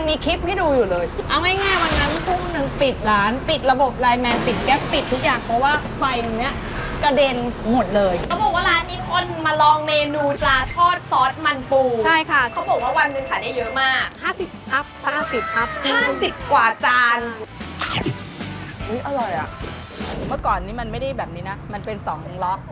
เมื่อก่อนนี้มันไม่ได้แบบนี้นะมันเป็นสองล็อค